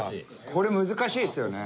これ難しいですよね。